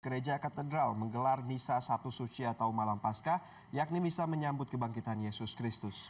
gereja katedral menggelar misa satu suci atau malam pasca yakni misa menyambut kebangkitan yesus kristus